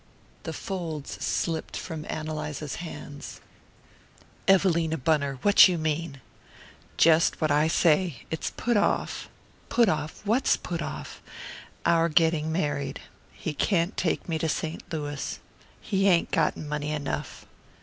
The folds slipped from Ann Eliza's hands. "Evelina Bunner what you mean?" "Jest what I say. It's put off." "Put off what's put off?" "Our getting married. He can't take me to St. Louis. He ain't got money enough."